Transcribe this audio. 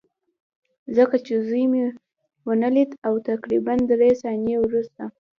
ځکه چې زوی مې ونه لید او تقریبا درې ثانیې وروسته